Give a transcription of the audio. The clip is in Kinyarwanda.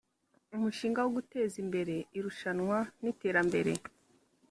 umushinga wo guteza imbere irushanwa n iterambere